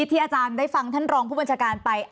ที่อาจารย์ได้ฟังท่านรองผู้บัญชาการไป